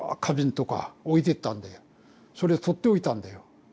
それ取っておいたんだよ。